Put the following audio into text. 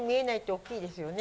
大きいですね。